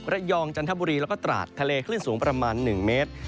และยองจันทบุรีและก็ตราดทะเลขึ้นสูงประมาณ๑เมตร